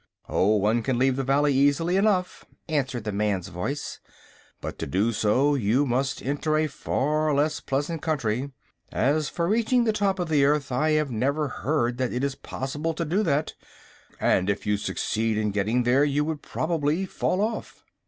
"Oh, one can leave the Valley easily enough," answered the man's voice; "but to do so you must enter a far less pleasant country. As for reaching the top of the earth, I have never heard that it is possible to do that, and if you succeeded in getting there you would probably fall off."